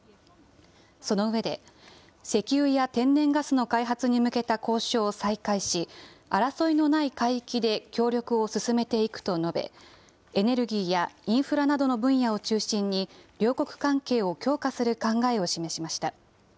その上で、石油や天然ガスの開発に向けた交渉を再開し、争いのない海域で協力を進めていくと述べ、エネルギーやインフラなどの分野を中心に両国関係を強化する考えを示しました。